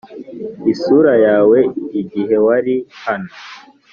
isura yawe igihe wari hano.